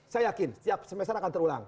saya yakin setiap semester akan terulang